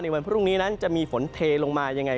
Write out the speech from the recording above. วันพรุ่งนี้นั้นจะมีฝนเทลงมายังไง